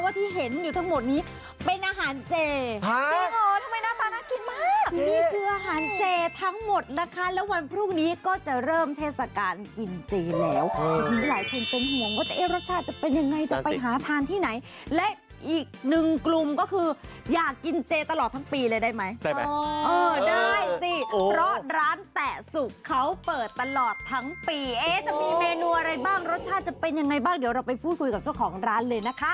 ตามความฝันของท่านก็เลยเก็บตังค์รวบรวมเงินแล้วก็มาเปิดเป็นร้าน